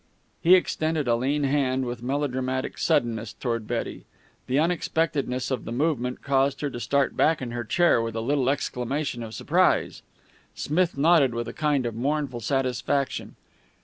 He extended a lean hand with melodramatic suddenness toward Betty. The unexpectedness of the movement caused her to start back in her chair with a little exclamation of surprise. Smith nodded with a kind of mournful satisfaction.